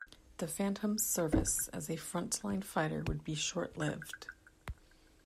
The Phantom's service as a frontline fighter would be short-lived.